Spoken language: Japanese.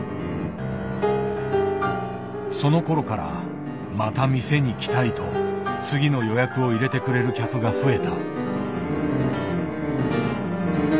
そのころから「また店に来たい」と次の予約を入れてくれる客が増えた。